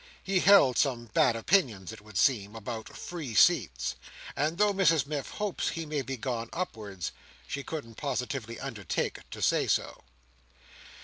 He held some bad opinions, it would seem, about free seats; and though Mrs Miff hopes he may be gone upwards, she couldn't positively undertake to say so.